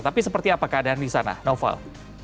tapi seperti apa keadaan di sana noval